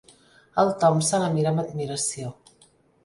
El Tom se la mira amb admiració.